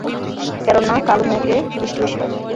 কেননা কাল মেঘে বৃষ্টি বেশি হয়।